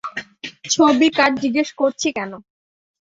ছবি কার জিজ্ঞেস করছি কেন?